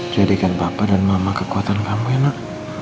jadikan papa dan mama kekuatan kamu ya nak